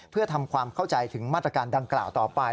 เพื่อทำความเข้าใจถึงมาตรการดังกล่าวต่อไป